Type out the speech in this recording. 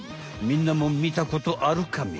みんなも見たことあるカメ？